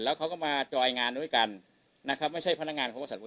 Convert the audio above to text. แล้วเขาก็มาจอยงานด้วยกันนะครับไม่ใช่พนักงานของบริษัท